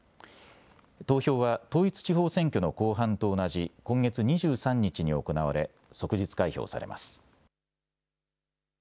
投票は統一地方選挙の後半と同じ今月２３日に行われ即日開票されます。